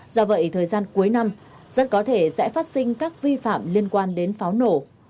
do vậy thời gian cuối năm rất có thể sẽ phát sinh các vi phạm liên quan đến pháo nổ